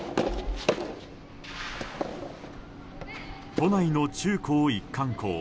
都内の中高一貫校。